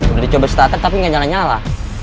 udah dicoba starter tapi nggak nyala nyala